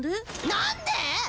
何で！？